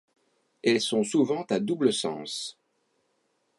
Elles sont souvent à double sens.